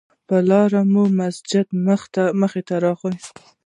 پر لاره مو یو مسجد مخې ته راغی.